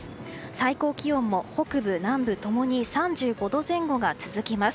最高気温も北部、南部共に３５度前後が続きます。